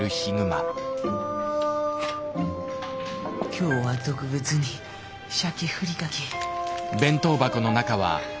今日は特別に鮭ふりかけ。